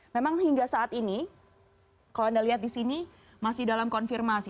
memang hingga saat ini kalau anda lihat di sini masih dalam konfirmasi